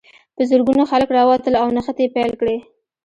په زرګونو خلک راووتل او نښتې یې پیل کړې.